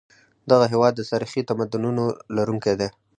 دغه هېواد د تاریخي تمدنونو لرونکی دی.